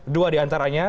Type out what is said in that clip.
dua di antaranya